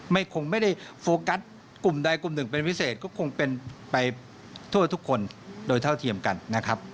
คงไม่ได้โฟกัสกลุ่มใดกลุ่มหนึ่งเป็นพิเศษก็คงเป็นไปทั่วทุกคนโดยเท่าเทียมกันนะครับ